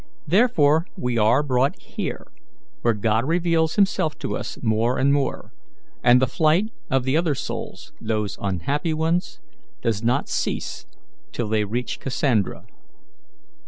Therefore we are brought here, where God reveals Himself to us more and more, and the flight of the other souls those unhappy ones does not cease till they reach Cassandra."